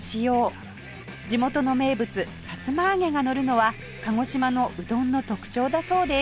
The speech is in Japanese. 地元の名物さつま揚げがのるのは鹿児島のうどんの特徴だそうです